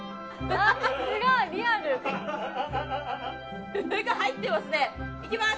すごいリアルすごい入ってますねいきます